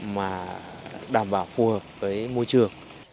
và đảm bảo phù hợp với môi trường